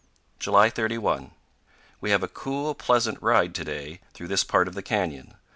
July 31. We have a cool, pleasant ride to day through this part of the canyon.